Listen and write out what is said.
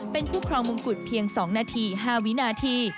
เป็นผู้ครองมงกุฎเพียง๒นาที๕วินาที